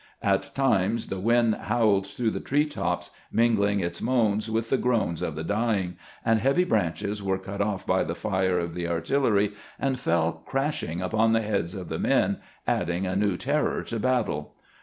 At times THE WILDERNESS A UNIQUE COMBAT 73 the wind howled through the tree tops, mingling its moans with the groans of the dying, and heavy branches were cut off by the fire of the artillery, and fell crashing upon the heads of the men, adding a new terror to bat tle.